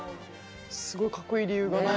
すごいかっこいい理由が。